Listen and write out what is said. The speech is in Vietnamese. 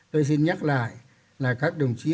tôi xin nhắc lại là các đồng chí